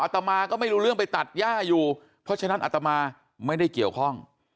ตมาก็ไม่รู้เรื่องไปตัดย่าอยู่เพราะฉะนั้นอัตมาไม่ได้เกี่ยวข้อง